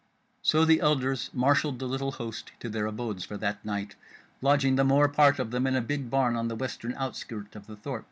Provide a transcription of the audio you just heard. So the elders marshalled the little host to their abodes for that night, lodging the more part of them in a big barn on the western outskirt of the thorp.